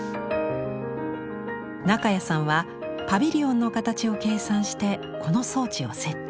中谷さんはパビリオンの形を計算してこの装置を設置。